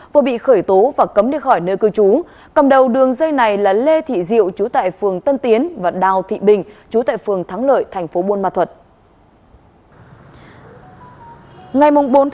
vừa bị khởi tố và cấm đi khỏi nơi cư trú cầm đầu đường dây này là lê thị diệu chú tại phường tân tiến và đào thị bình chú tại phường thắng lợi thành phố buôn ma thuật